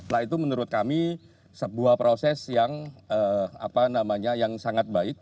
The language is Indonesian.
nah itu menurut kami sebuah proses yang apa namanya yang sangat baik